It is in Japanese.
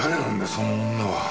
その女は。